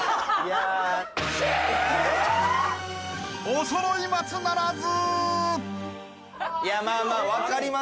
［おそろい松ならず］